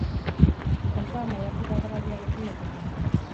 Antza, maiatzeko agerraldiarekin lotuta dago.